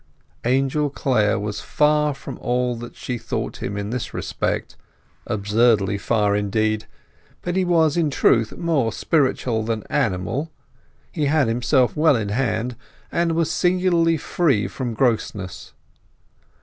Angel Clare was far from all that she thought him in this respect; absurdly far, indeed; but he was, in truth, more spiritual than animal; he had himself well in hand, and was singularly free from grossness.